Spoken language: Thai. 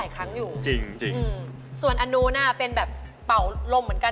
เขาต้องแกะลาย